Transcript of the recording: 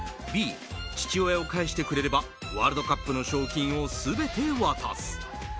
Ｂ、父親を返してくれればワールドカップの賞金を全て渡す。